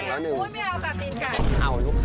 มีหลายอย่าง